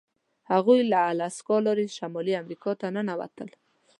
هغوی له الاسکا لارې شمالي امریکا ته ننوتل.